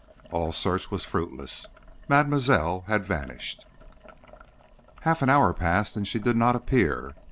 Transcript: All search was fruitless. Mademoiselle had vanished. Half an hour passed and she did not appear.